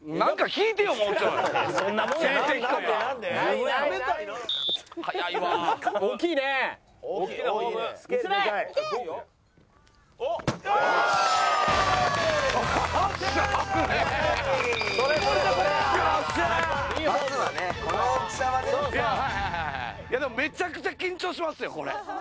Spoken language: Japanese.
いやでもめちゃくちゃ緊張しますよこれ。